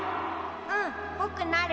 うんぼくなる。